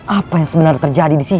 apa yang sebenarnya terjadi disini